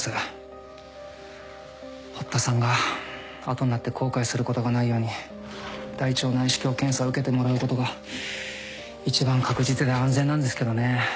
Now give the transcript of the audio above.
堀田さんが後になって後悔することがないように大腸内視鏡検査を受けてもらうことが一番確実で安全なんですけどね。